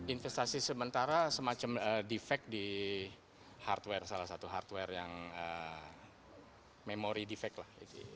investasi sementara semacam defect di hardware salah satu hardware yang memory defect lah